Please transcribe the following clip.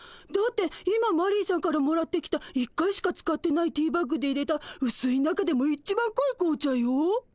だって今マリーさんからもらってきた１回しか使ってないティーバッグでいれたうすい中でも一番こい紅茶よ。